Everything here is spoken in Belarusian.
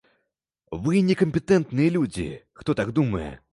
Вы не кампетэнтныя людзі, хто так думае.